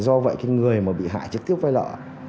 do vậy cái người mà bị hại trực tiếp vay nợ